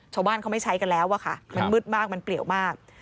ชาวบ้านเขาไม่ใช้กันแล้วอะค่ะมันมืดมากมันเปลี่ยวมาก